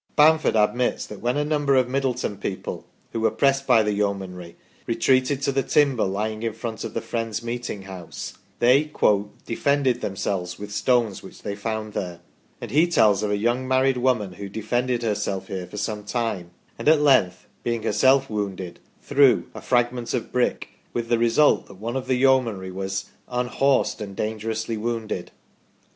Bamford admits that when a number of Middleton people, who were pressed by the Yeomanry, retreated to the timber lying in front of the Friends' Meeting House, they " defended themselves with stones which they found there," and he tells of a young married woman who defended herself here for some time, and at length, being herself wounded, threw " a fragment of a brick " with the result that one of the Yeomanry was " unhorsed and dangerously wounded